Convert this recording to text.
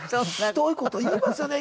ひどい事言いますよね。